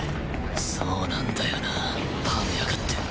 そうなんだよなハメやがって。